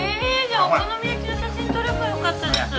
じゃあお好み焼きの写真撮れば良かったです。